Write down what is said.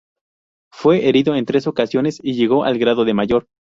Fue herido en tres ocasiones y llegó al grado de mayor.